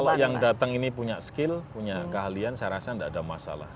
kalau yang datang ini punya skill punya keahlian saya rasa tidak ada masalah